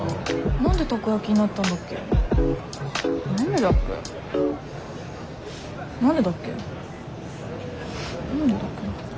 何でだっけな。